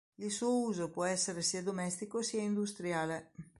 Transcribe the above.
Il suo uso può essere sia domestico, sia industriale.